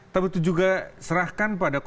tapi itu juga serahkan pada